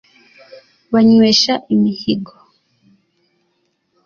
banywesha imihigo.